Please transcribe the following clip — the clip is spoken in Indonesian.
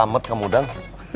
mak mau dong